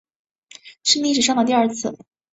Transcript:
是历史上的第二次